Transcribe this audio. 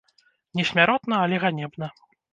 Не смяротна, але ганебна.